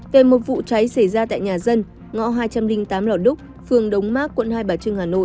về một vụ cháy xảy ra tại nhà dân ngõ hai trăm linh tám lò đúc phường đống mát quận hai bà trưng hà nội